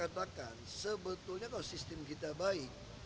saya marah katakan sebetulnya kalau sistem kita baik